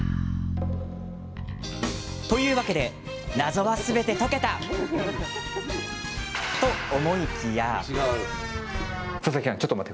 というわけで謎はすべて解けた！と思いきや。